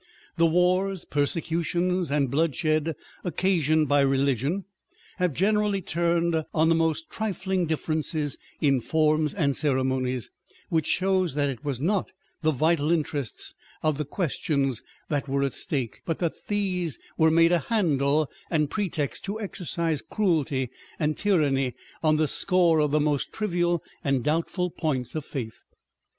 The wars, persecutions, and bloodshed occasioned by religion have generally turned on the most trifling differences in forms and ceremonies ; which shows that it was not the vital interests of the questions that were at stake, but that these were made a handle and pretext to exercise cruelty and tyranny on the score of the most trivial and doubtful points of faith.